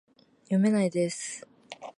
洞口朋子